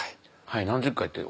はい何十回って。